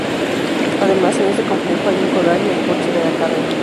Además, en este complejo hay un corral y el porche del acarreo.